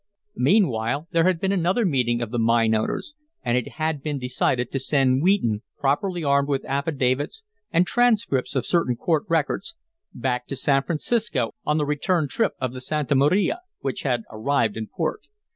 Meanwhile, there had been another meeting of the mine owners, and it had been decided to send Wheaton, properly armed with affidavits and transcripts of certain court records, back to San Francisco on the return trip of the Santa Maria, which had arrived in port.